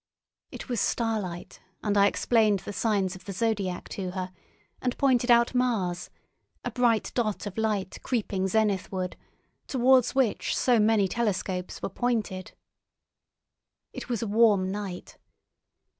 It was starlight and I explained the Signs of the Zodiac to her, and pointed out Mars, a bright dot of light creeping zenithward, towards which so many telescopes were pointed. It was a warm night.